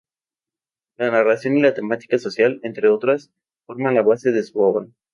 La narración y la temática social, entre otras, forman la base de su obra.